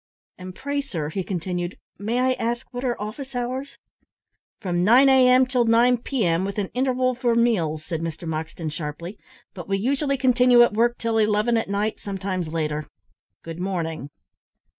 "And pray, sir," he continued, "may I ask what are office hours?" "From nine a.m. till nine p.m., with an interval for meals," said Mr Moxton, sharply; "but we usually continue at work till eleven at night, sometimes later. Good morning."